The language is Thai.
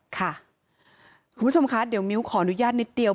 คุณผู้ชมคะเดี๋ยวมิ้วขออนุญาตนิดเดียว